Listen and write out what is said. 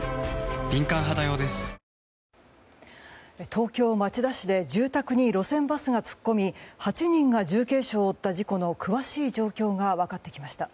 東京・町田市で住宅に路線バスが突っ込み８人が重軽傷を負った事故の詳しい状況が分かってきました。